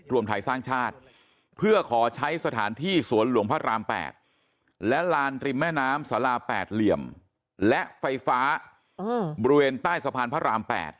รวมไทยสร้างชาติเพื่อขอใช้สถานที่สวนหลวงพระราม๘และลานริมแม่น้ำสารา๘เหลี่ยมและไฟฟ้าบริเวณใต้สะพานพระราม๘